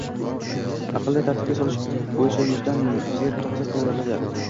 “Aqlli tartibga solish” bo‘yicha yuzdan ziyod mutaxassis tayyorlanding